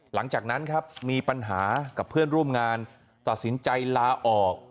หลังจากนั้นครับมีปัญหากับเพื่อนร่วมงานตัดสินใจลาออก